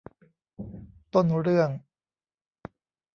ต้นเรื่อง